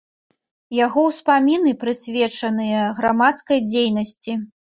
Яго ўспаміны прысвечаныя грамадскай дзейнасці.